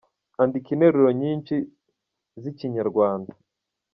Andika interuro nyinci zi ikinyarwanda.